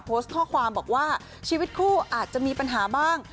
โพสต์ข้อความบอกว่าชีวิตคู่อาจจะมีปัญหาบ้าง